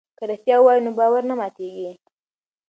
که رښتیا ووایو نو باور نه ماتیږي.